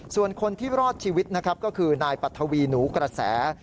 ส่วนคนที่รอดชีวิตนะครับก็คือนายปัทวีหนูกระแส